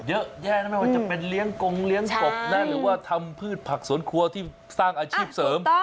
เยอะแยะนะไม่ว่าจะเป็นเลี้ยงกงเลี้ยงกบนะหรือว่าทำพืชผักสวนครัวที่สร้างอาชีพเสริม